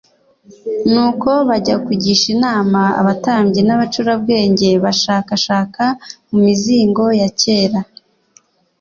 Nuko bajya kugisha inama abatambyi n'abacurabwenge, bashakashaka mu mizingo ya kera.